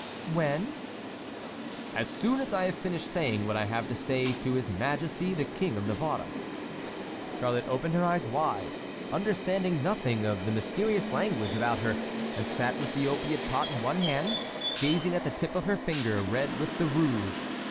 "When?" "As soon as I have finished saying what I have to say to his Majesty the King of Navarre." Charlotte opened her eyes wide, understanding nothing of the mysterious language about her, and sat with the opiate pot in one hand, gazing at the tip of her finger, red with the rouge.